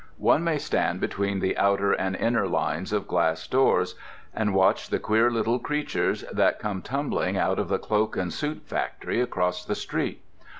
One may stand between the outer and inner lines of glass doors and watch the queer little creatures that come tumbling out of the cloak and suit factory across the street.